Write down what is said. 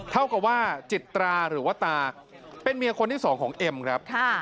เท่ากับว่าจิตราหรือว่าตาเป็นเมียคนที่สองของเอ็มครับ